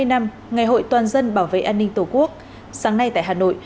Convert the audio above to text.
hai mươi năm ngày hội toàn dân bảo vệ an ninh tổ quốc sáng nay tại hà nội